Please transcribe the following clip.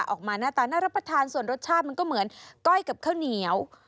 ออกมาหน้าตาน่ารับประทานส่วนรสชาติมันก็เหมือนก้อยกับข้าวเหนียว